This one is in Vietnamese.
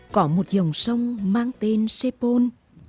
có một dòng sông mang tên sepol